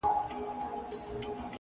يوه شېبه تم سوی نه يم در روان هم يم’